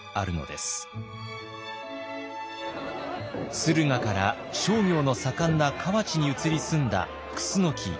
駿河から商業の盛んな河内に移り住んだ楠木一族。